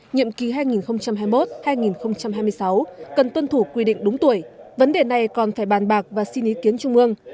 nhiệm kỳ hai nghìn hai mươi một hai nghìn hai mươi sáu cần tuân thủ quy định đúng tuổi vấn đề này còn phải bàn bạc và xin ý kiến trung ương